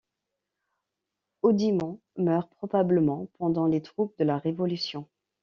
Haudimont meurt probablement pendant les troubles de la Révolution.